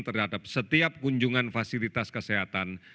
terhadap setiap kunjungan fasilitas kesehatan